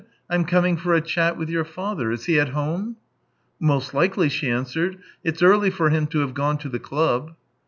" I'm coming for a chat with your father. Is he at home ?"" Most likely," she answered. " It's early for him to have gone to the club."